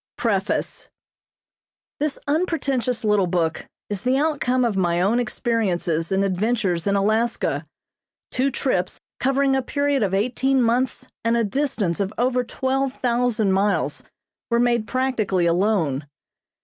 PREFACE This unpretentious little book is the outcome of my own experiences and adventures in Alaska. Two trips, covering a period of eighteen months and a distance of over twelve thousand miles were made practically alone.